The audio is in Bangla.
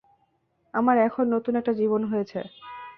আমার এখন নতুন একটা জীবন হয়েছে।